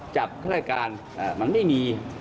จับเครื่องรายการมันไม่มี